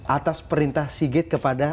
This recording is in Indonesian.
atas perintah sigit kepada